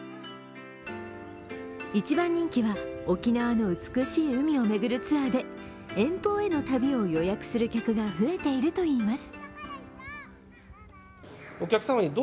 一番人気は、沖縄の美しい海を巡るツアーで遠方への旅を予約する客が増えているといいます。